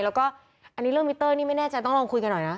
แล้วก็อันนี้เรื่องมิเตอร์นี่ไม่แน่ใจต้องลองคุยกันหน่อยนะ